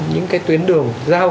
những cái tuyến đường giao